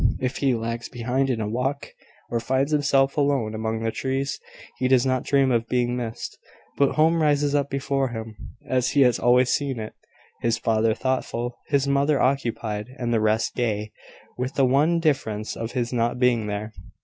If he lags behind in a walk, or finds himself alone among the trees, he does not dream of being missed; but home rises up before him as he has always seen it his father thoughtful, his mother occupied, and the rest gay, with the one difference of his not being there.